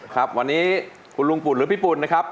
ครับวันนี้คุณลุงปุ่นหรือพี่ปุ่นนะครับ